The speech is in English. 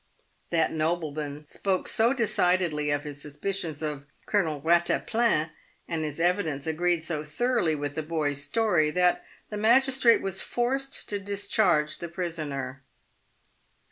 That nobleman spoke so decidedly of his suspicions of Colonel Eattaplan, and his evidence agreed so thoroughly | with the boy's story, that the magistrate was forced to discharge the prisoner.